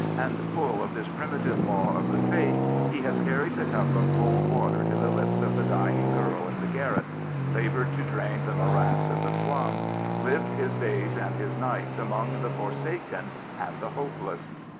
And, full of this primitive law of the faith, he has carried the cup of cold water to the lips of the dying girl in the garret, laboured to drain the morass of the slum, lived Ins days and his nights among the forsaken and the hopeless.